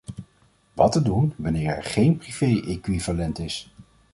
Wat te doen wanneer er geen privé equivalent is?